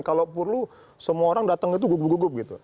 kalau perlu semua orang datang itu gugup gugup gitu